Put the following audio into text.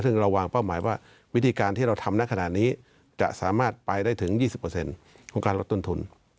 ซึ่งเราวางเป้าหมายว่าวิธีการที่เราทำในขณะนี้จะสามารถไปได้ถึง๒๐ของการลดต้นทุน